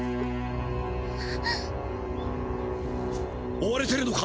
追われてるのか？